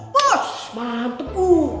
posh mantep bu